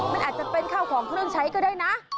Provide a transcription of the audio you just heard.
มันอาจจะเป็นข้าวของเครื่องใช้ก็ได้นะ